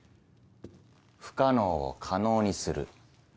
不可能を可能にする。